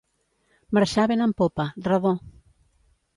Marxar vent en popa, redó.